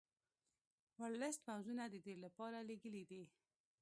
ورلسټ پوځونه د دې لپاره لېږلي دي.